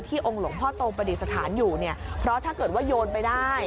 องค์หลวงพ่อโตปฏิสถานอยู่เนี่ยเพราะถ้าเกิดว่าโยนไปได้